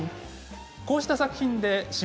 こういう作品です。